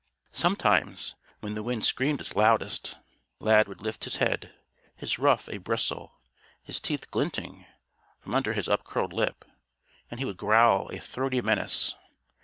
Sometimes, when the wind screamed its loudest, Lad would lift his head his ruff a bristle, his teeth glinting from under his upcurled lip. And he would growl a throaty menace.